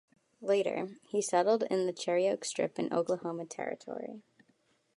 Later, he settled in the Cherokee Strip in Oklahoma Territory.